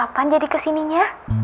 a a t kapan jadi kesininya